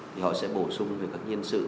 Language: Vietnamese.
thì họ sẽ bổ sung về các nhiên sự